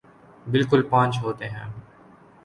بالکل پانچ ہوتے ہیں